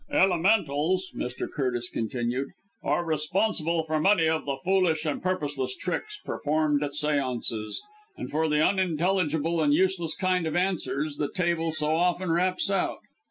"Elementals," Mr. Curtis continued, "are responsible for many of the foolish and purposeless tricks performed at séances; and for the unintelligible and useless kind of answers the table so often raps out.